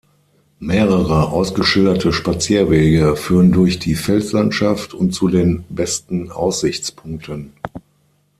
Mehrere ausgeschilderte Spazierwege führen durch die Felslandschaft und zu den besten Aussichtspunkten.